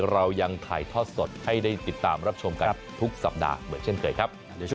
เรายังถ่ายทอดสดให้ได้ติดตามรับชมกันทุกสัปดาห์เหมือนเช่นเคยครับ